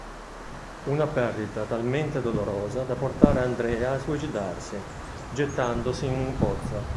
Una perdita talmente dolorosa da portare Andrea a suicidarsi, gettandosi in un pozzo.